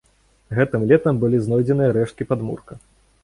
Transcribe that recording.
Гэтым летам былі знойдзеныя рэшткі падмурка.